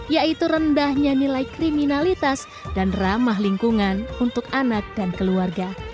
yaitu rendahnya nilai kriminalitas dan ramah lingkungan untuk anak dan keluarga